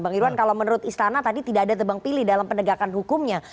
bang irwan kalau menurut istana tadi tidak ada tebang pilih dalam penegakan hukumnya